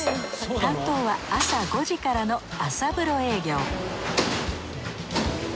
担当は朝５時からのあさ風呂営業